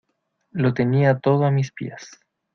Lo tenía todo a mis pies